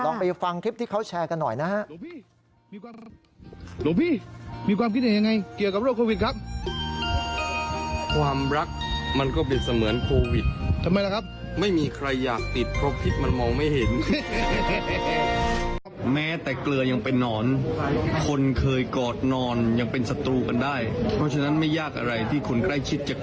ไปฟังคลิปที่เขาแชร์กันหน่อยนะฮะ